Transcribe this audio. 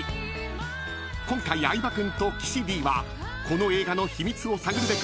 ［今回相葉君と岸Ｄはこの映画の秘密を探るべく］